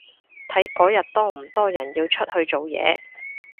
睇嗰日多唔多人要出去做嘢